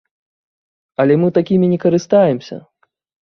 Але мы такімі не карыстаемся.